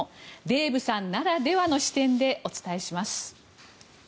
デーブさんならではの視点でお伝えします。